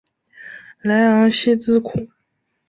莱昂西兹孔。